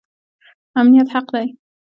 امنیت حق دی